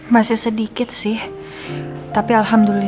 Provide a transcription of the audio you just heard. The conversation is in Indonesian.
masih sedikit sih tapi alhamdulillah